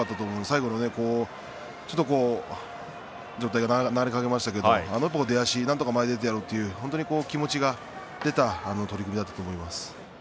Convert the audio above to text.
最後ちょっと上体が流れかけましたけどもなんとか前に出てやろうという気持ちが出た取組だったと思います。